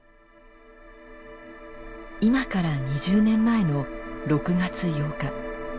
今から２０年前の６月８日。